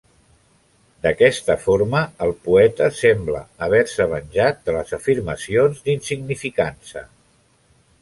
D"aquesta forma, el poeta sembla haver-se venjat de les afirmacions d"insignificança.